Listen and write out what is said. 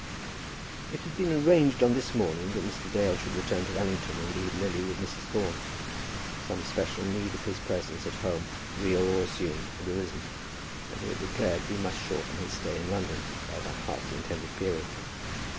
It had been arranged on this morning that Mr. Dale should return to Allington and leave Lily with Mrs. Thorne. Some special need of his presence at home, real or assumed, had arisen, and he had declared that he must shorten his stay in London by about half the intended period.